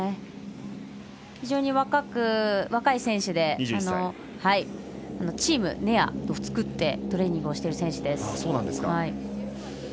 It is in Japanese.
非常に若い選手でチームネヤを作ってトレーニングをしている選手です。